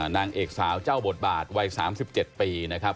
นางเอกสาวเจ้าบทบาทวัย๓๗ปีนะครับ